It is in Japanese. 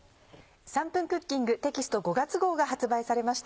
『３分クッキング』テキスト５月号が発売されました。